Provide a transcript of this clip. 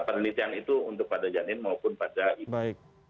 penelitian itu untuk pada janin maupun pada ibu